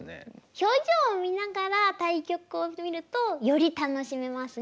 表情を見ながら対局を見るとより楽しめますね。